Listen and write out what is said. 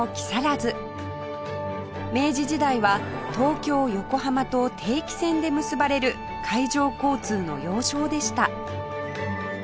明治時代は東京・横浜と定期船で結ばれる海上交通の要衝でした